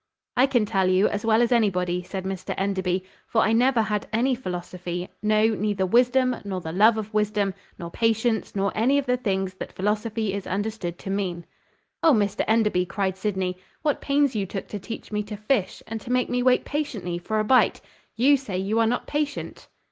"I can tell you, as well as anybody," said Mr Enderby, "for I never had any philosophy, no, neither wisdom, nor the love of wisdom, nor patience, nor any of the things that philosophy is understood to mean." "Oh, Mr Enderby!" cried Sydney, "what pains you took to teach me to fish, and to make me wait patiently for a bite! You say you are not patient!"